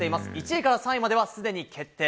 １位から３位まではすでに決定。